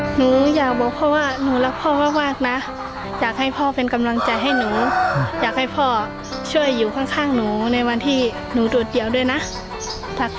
หนูอยากบอกพ่อว่าหนูรักพ่อมากนะอยากให้พ่อเป็นกำลังใจให้หนูอยากให้พ่อช่วยอยู่ข้างหนูในวันที่หนูโดดเดี่ยวด้วยนะ